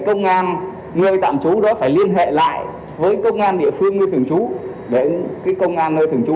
công an người tạm trú đó phải liên hệ lại với công an địa phương nơi thường trú để công an nơi thường trú